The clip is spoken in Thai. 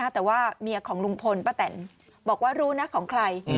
แต่ว่าเมียของลุงพลป้าแตนบอกว่ารู้นะของใคร